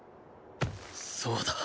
そうだ